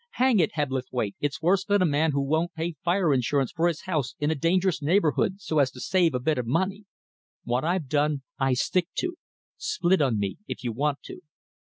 Hang it, Hebblethwaite, it's worse than a man who won't pay fire insurance for his house in a dangerous neighbourhood, so as to save a bit of money! What I've done I stick to. Split on me, if you want to."